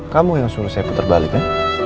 kamu yang suruh saya puter balik ya